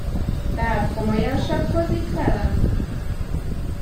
Tehát komolyan sakkozik velem?